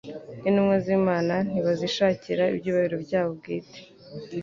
nk’intumwa z’Imana ntibazishakira ibyubahiro byabo bwite